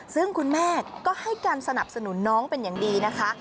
ซึ่งคุณแม่ก็ให้การสนับสนุนน้องเป็นอย่างดีนะคะ